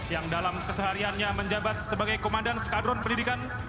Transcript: yang dalam kesehariannya menjabat sebagai komandan skadron pendidikan satu ratus dua